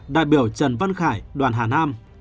đại biểu trần văn khải đoàn hà nam